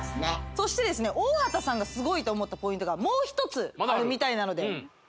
そして大畑さんがすごいと思ったポイントがもう一つあるみたいなのでまだある？